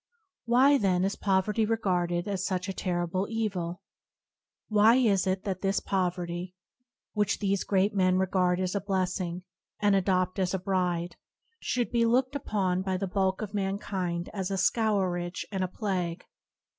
Why, then, is poverty regarded as such a terrible evil? Why is it that this poverty, which these great men regard as a blessing, and adopt as a bride, should be looked upon by the bulk of mankind as a scourge and a plague?